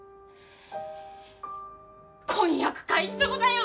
婚約解消だよ！